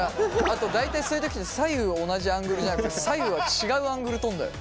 あと大体そういう時って左右同じアングルじゃなくて左右は違うアングル撮んだよ。